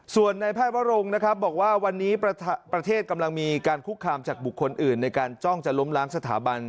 ส่วนในแพทย์วรงนะครับบอกว่าวันนี้ประเทศกำลังมีการคุกคามจากบุคคลอื่นในการจ้องจะล้มล้างสถาบัน